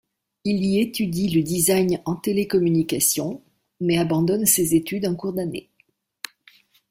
Il y étudie le design en télécommunication, mais abandonne ces études en cours d'année.